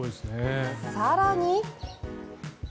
更に。